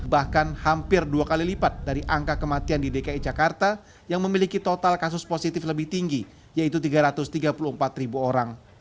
bahkan hampir dua kali lipat dari angka kematian di dki jakarta yang memiliki total kasus positif lebih tinggi yaitu tiga ratus tiga puluh empat ribu orang